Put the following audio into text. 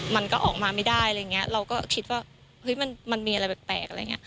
มันก็ออกมาไม่ได้เราก็คิดว่ามันมีอะไรแปลก